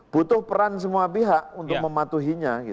butuh peran semua pihak untuk mematuhinya